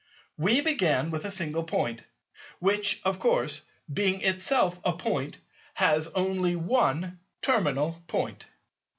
We began with a single Point, which of course—being itself a Point—has only one terminal Point.